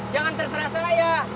jangan terserah saya